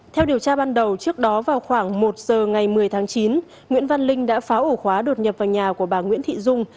theo điều tra ban đầu trước đó vào khoảng một giờ ngày một mươi tháng chín nguyễn văn linh đã phá ổ khóa đột nhập vào nhà của bà nguyễn thị dung